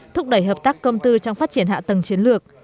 thúc đẩy hợp tác công tư trong phát triển hạ tầng chiến lược